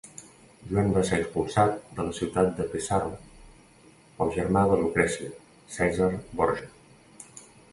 Joan va ser expulsat de la ciutat de Pesaro pel germà de Lucrècia, Cèsar Borja.